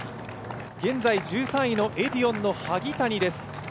現在１３位のエディオンの萩谷です。